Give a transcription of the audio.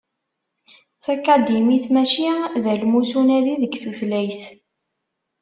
Takadimit mačči d almus unadi deg tutlayt.